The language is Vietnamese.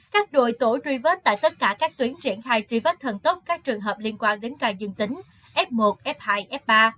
các đội tổ tri vết tại tất cả các tuyến triển khai tri vết thần tốc các trường hợp liên quan đến gai dân tính f một f hai f ba